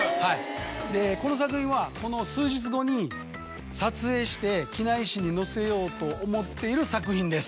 でこの作品は数日後に撮影して機内誌に載せようと思っている作品です。